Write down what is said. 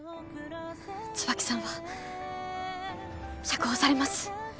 椿さんは釈放されます。